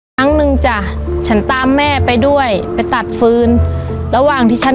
โปรดติดตามตอนต่อไป